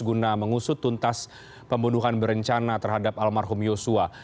guna mengusut tuntas pembunuhan berencana terhadap almarhum yosua